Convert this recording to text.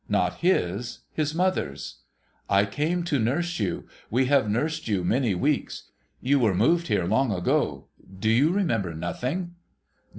Not his, his mother's. ' I came to nurse you. We have nursed you many weeks. You were moved here long ago. Do you remember nothing